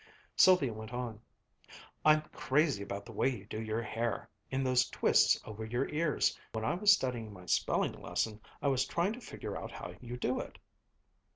Sylvia went on: "I'm crazy about the way you do your hair, in those twists over your ears. When I was studying my spelling lesson, I was trying to figure out how you do it."